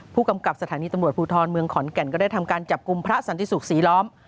ผู้กำกับสถานีตำรวจภูทรเมืองขอนแก่นก็ได้ทำการจับกลุ่มพระสันติสุขศรีล้อม